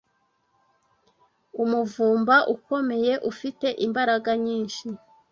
Umuvumba ukomeye, ufite imbaraga nyinshi